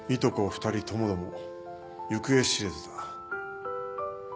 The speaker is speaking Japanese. ２人ともども行方知れずだ。